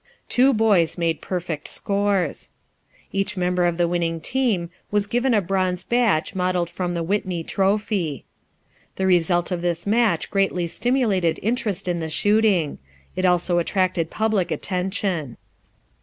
Two boys made perfect scores. Each member of the winning team was given a bronze badge modeled from the Whitney trophy. The result of this match greatly stimulated interest in the shooting. It also attracted public attention.